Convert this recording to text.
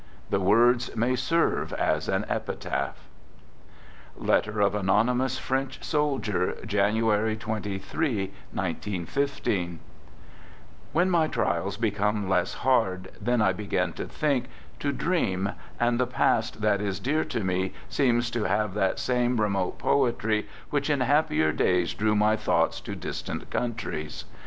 " The words may serve as an epitaph. {Letter of Anonymous French Soldier) When my trials become less hard, then I begin to think, to dream, and the past that is dear to me seems to have that same remote poetry which in happier days drew my thoughts to distant countries.